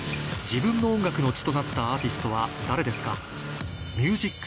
自分の音楽の血となったアーティストは誰ですか？